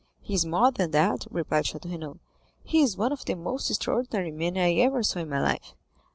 "He is more than that," replied Château Renaud; "he is one of the most extraordinary men I ever saw in my life.